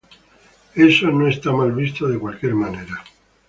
Eso no es mal visto de cualquier manera.